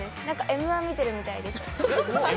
「Ｍ−１」見てるみたいです。